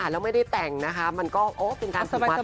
แล้วไม่ได้แต่งนะคะมันก็เป็นการถูกมาตัวเองไป